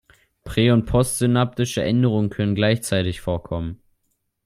Prä- und postsynaptische Änderungen können gleichzeitig vorkommen.